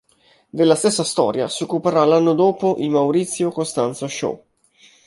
Della stessa storia si occuperà l'anno dopo il "Maurizio Costanzo Show".